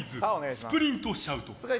スプリントシャウト。